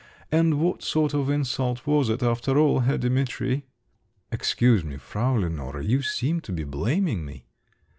And what sort of insult was it, after all, Herr Dimitri?" "Excuse me, Frau Lenore, you seem to be blaming me."